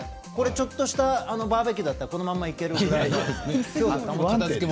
ちょっとしたバーベキューだったらいけるぐらい。